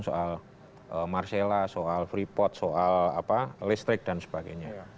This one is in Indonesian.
soal marcella soal freeport soal listrik dan sebagainya